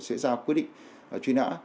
sẽ ra quy định truy nã